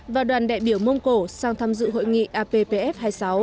và đoàn đại biểu mông cổ sang tham dự hội nghị appf hai mươi sáu